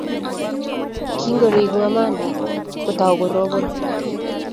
kingoriku amangda, kotou korobon